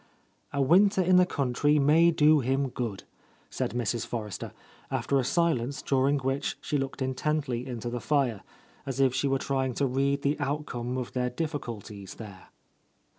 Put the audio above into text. "A winter in the country may do him good," said Mrs. Forrester, after a silence during which she looked intently into the fire, as if she were trying to read the outcome of their difficulties there.